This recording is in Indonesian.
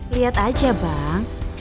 liat aja bang